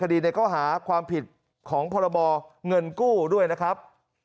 คดีในข้อหาความผิดของพรบเงินกู้ด้วยนะครับ